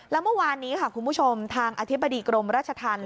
แล้วเมื่อวานนี้ค่ะคุณผู้ชมทางอธิบดีกรมราชธรรม